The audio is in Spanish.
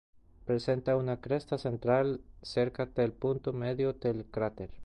Presenta una cresta central cerca del punto medio del cráter.